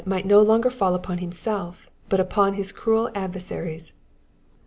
miglit no longer fall upon himself, but upon his cruel adversaries.